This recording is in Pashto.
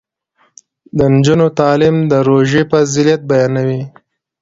د نجونو تعلیم د روژې فضیلت بیانوي.